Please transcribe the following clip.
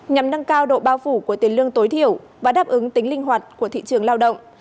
nhằm nâng cao độ bao phủ của tiền lương tối thiểu và đáp ứng tính linh hoạt của thị trường lao động